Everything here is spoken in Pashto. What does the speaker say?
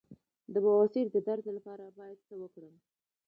د بواسیر د درد لپاره باید څه وکړم؟